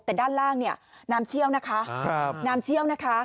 แต่ด้านล่างน้ำเชี่ยวนะคะ